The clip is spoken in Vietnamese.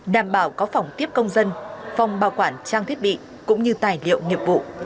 đảm bảo có phòng tiếp công dân phòng bảo quản trang thiết bị cũng như tài liệu nghiệp vụ